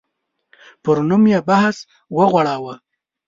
پر نوم یې بحث وغوړاوه.